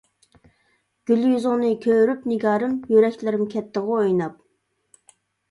گۈل يۈزۈڭنى كۆرۈپ نىگارىم، يۈرەكلىرىم كەتتىغۇ ئويناپ.